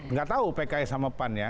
nggak tahu pks sama pan ya